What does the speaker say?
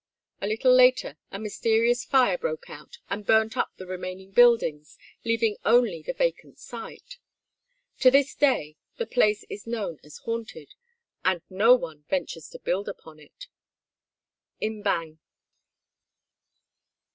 A little later a mysterious fire broke out and burnt up the remaining buildings, leaving only the vacant site. To this day the place is known as "haunted," and no one ventures to build upon it. Im Bang.